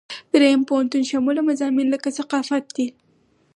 دریم پوهنتون شموله مضامین لکه ثقافت دي.